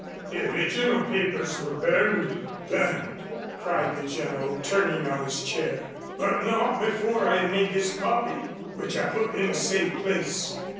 The original papers were burned " "Burned!" cried the General, turning in his chair. "But not before I had made this copy, which I put in a safe place."